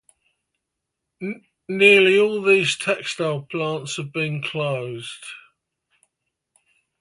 Nearly all these textile plants have been closed.